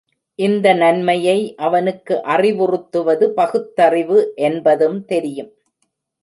இந்த நன்மையை அவனுக்கு அறிவுறுத்துவது பகுத்தறிவு என்பதும் தெரியும்.